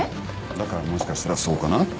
だからもしかしたらそうかなって。